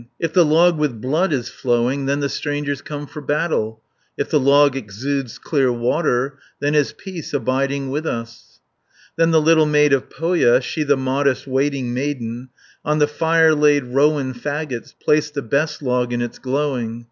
If the log with blood is flowing, Then the strangers come for battle, If the log exudes clear water, Then is peace abiding with us." 570 Then the little maid of Pohja, She, the modest waiting maiden, On the fire laid rowan faggots, Placed the best log in its glowing.